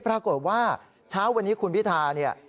ปรากฏว่าเช้าวันนี้คุณพิธาเนี่ย